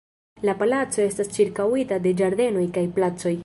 La palaco estas ĉirkaŭita de ĝardenoj kaj placoj.